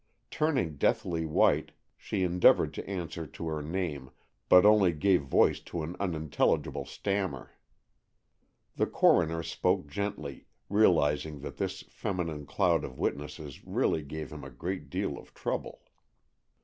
Turning deathly white, she endeavored to answer to her name, but only gave voice to an unintelligible stammer. The coroner spoke gently, realizing that his feminine cloud of witnesses really gave him a great deal of trouble.